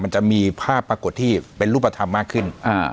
มันจะมีภาพปรากฏที่เป็นรูปธรรมมากขึ้น